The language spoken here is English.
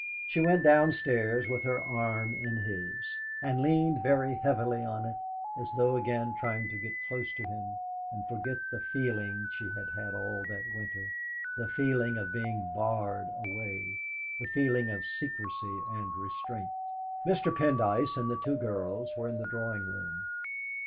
She went downstairs with her arm in his, and leaned very heavily on it, as though again trying to get close to him, and forget the feeling she had had all that winter the feeling of being barred away, the feeling of secrecy and restraint. Mr. Pendyce and the two girls were in the drawing room.